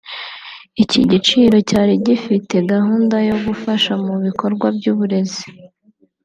Iki cyiciro cyari gifite gahunda yo gufasha mu bikorwa by’uburezi